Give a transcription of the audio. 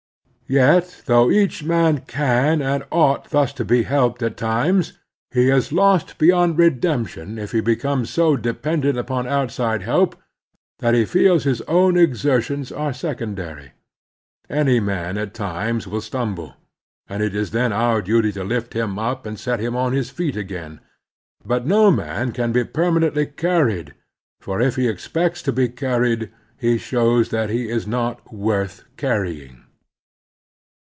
Yet, though each man can and ought thus to be helped at times, he is lost beyond redemption if he becomes so dependent upon outside help that he feels that his own exer tions are secondary. Any man at times will sttunble, and it is then our duty to lift him up and set him on his feet again ; but no man can be per manently carried, for if he expects to be carried he shows that he is not worth canying.